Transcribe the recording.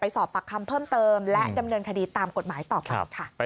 สอบปากคำเพิ่มเติมและดำเนินคดีตามกฎหมายต่อไปค่ะ